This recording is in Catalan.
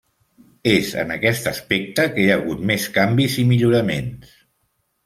És en aquest aspecte que hi ha hagut més canvis i milloraments.